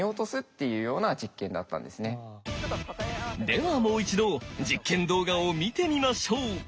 ではもう一度実験動画を見てみましょう！